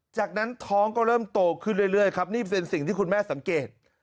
จากนั้นท้องก็เริ่มโตขึ้นเรื่อยครับนี่เป็นสิ่งที่คุณแม่สังเกต